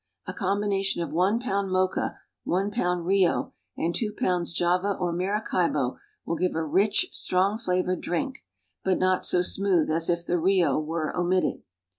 A combination of one pound Mocha, one pound Rio, and two pounds Java or Maracaibo will give a rich, strong flavored drink, but not so smooth as if the Rio were omitted.